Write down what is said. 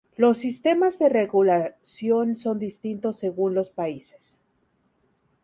Los sistemas de regulación son distintos según los países.